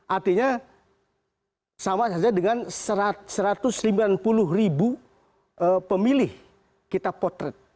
artinya sama saja dengan satu ratus lima puluh ribu pemilih kita potret